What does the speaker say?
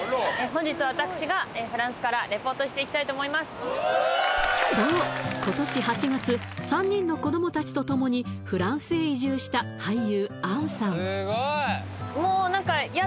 本日私がフランスからリポートしていきたいと思いますそう今年８月３人の子どもたちと共にフランスへ移住した俳優杏さん